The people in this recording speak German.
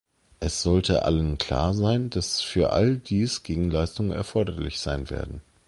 Es sollte allen klar sein, dass für all dies Gegenleistungen erforderlich sein werden.